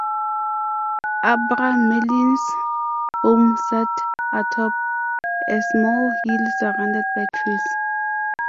Abramelin's home sat atop a small hill surrounded by trees.